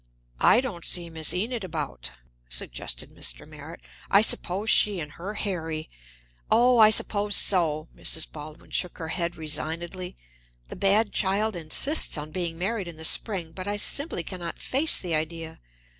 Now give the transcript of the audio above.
"I don't see Miss Enid about," suggested Mr. Merritt. "I suppose she and her Harry !" "Oh, I suppose so!" Mrs. Baldwin shook her head resignedly. "The bad child insists on being married in the spring, but I simply can not face the idea.